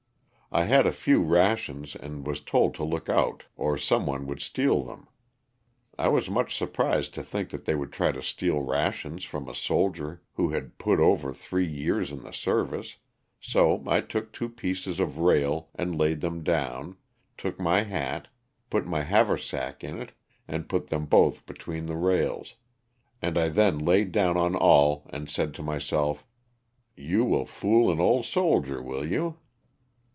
'' I had a few rations and was told to look out or some one would steal them. I was much surprised to think that they would try to steal rations from a soldier who had put over three years in the service; so I took two pieces of rail and laid them down, took my hat. LOSS OF THE SULTAKA. 299 put my haversack in it and put them both between the rails, and I then laid down on all and said to myself, you will fool an old soldier, will you?"